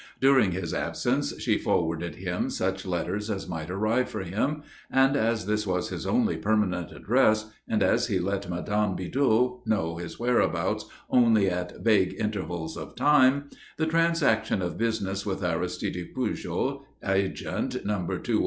During his absence she forwarded him such letters as might arrive for him; and as this was his only permanent address, and as he let Madame Bidoux know his whereabouts only at vague intervals of time, the transaction of business with Aristide Pujol, "Agent, No.